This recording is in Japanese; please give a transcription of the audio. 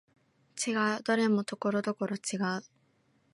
違う、どれもところどころ違う